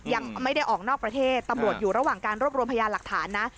ยังไม่ได้ออกนอกประเทศตำรวจอยู่ระหว่างการรวบรวมพยานหลักฐานนะ